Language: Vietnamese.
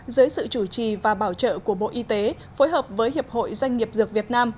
dưới sự chủ trì và bảo trợ của bộ y tế phối hợp với hiệp hội doanh nghiệp dược việt nam